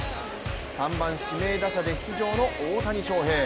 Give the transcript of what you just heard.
３番指名打者で出場の大谷翔平。